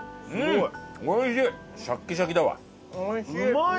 シャッキシャキだわ。